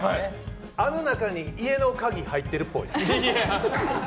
あの中に家の鍵入ってるっぽい。